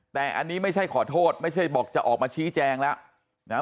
แต่อันนี้ไม่ใช่ขอโทษไม่ใช่บอกจะออกมาชี้แจงแล้วนะ